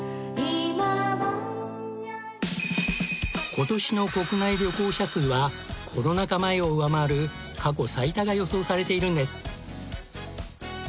今年の国内旅行者数はコロナ禍前を上回る過去最多が予想されているんです。